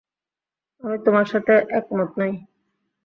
আমি তোমার সাথে একমত নই।